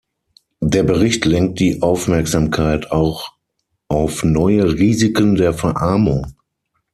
Der Bericht lenkt die Aufmerksamkeit auch auf neue Risiken der Verarmung.